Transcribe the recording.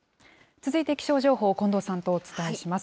続いて気象情報、近藤さんとお伝えします。